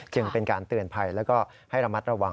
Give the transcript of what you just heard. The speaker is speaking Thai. จึงเป็นการเตือนภัยแล้วก็ให้ระมัดระวัง